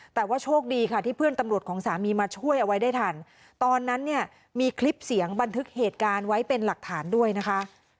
แต่ว่าโชคดีค่ะที่เพื่อนตำรวจของสามีมาช่วยเอาไว้ได้ทันตอนนั้นเนี่ยมีคลิปเสียงบันทึกเหตุการณ์ไว้เป็นหลักฐานด้วยนะคะ